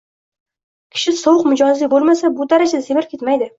Kishi sovuq mijozli bo‘lmasa, bu darajada semirib ketmaydi.